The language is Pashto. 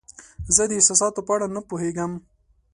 زه د احساساتو په اړه نه پوهیږم.